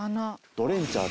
ドレンチャー。